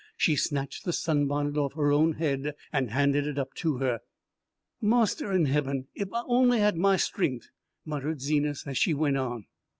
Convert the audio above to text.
She snatched the sunbonnet off her own head and handed it up to her. "Marster in hebben, ef I only had my stren'th!" muttered Zenas as she went on.